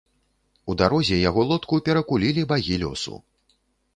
У дарозе яго лодку перакулілі багі лёсу.